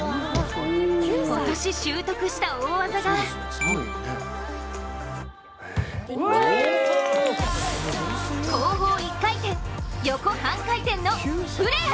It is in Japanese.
今年習得した大技が後方１回転、横半回転のフレア！